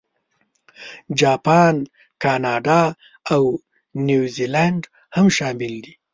جاپان، کاناډا، او نیوزیلانډ هم شامل دي.